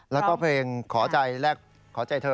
และเพลงขอใจแรกเธอ